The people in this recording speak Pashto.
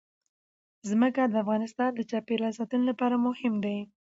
ځمکه د افغانستان د چاپیریال ساتنې لپاره مهم دي.